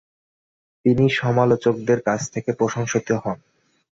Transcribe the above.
তিনি সমালোচকদের কাছ থেকে প্রশংসিত হন।